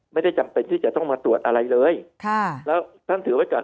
จำเป็นที่จะต้องมาตรวจอะไรเลยค่ะแล้วท่านถือไว้ก่อน